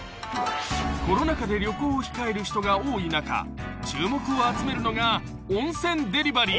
［コロナ禍で旅行を控える人が多い中注目を集めるのが］